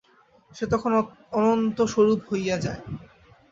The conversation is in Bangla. সে তখন অনন্ত-স্বরূপ হইয়া যায়।